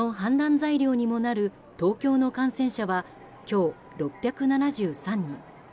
材料にもなる東京の感染者は今日６７３人。